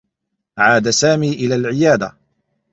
عاد سامي إلى العيادة.